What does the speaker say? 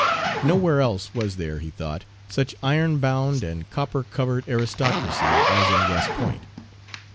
Nowhere else was there, he thought, such iron bound and copper covered aristocracy as in West Point.